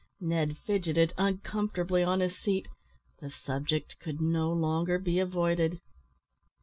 Ned fidgeted uncomfortably on his seat the subject could no longer be avoided.